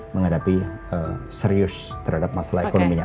menghadapi serius terhadap masalah ekonominya